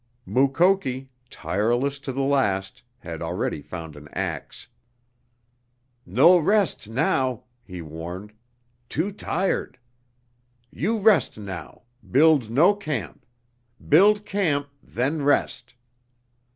Mukoki, tireless to the last, had already found an ax. "No rest now," he warned, "Too tired! You rest now build no camp. Build camp then rest!"